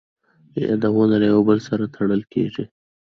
یادونه له یو بل سره تړل کېږي.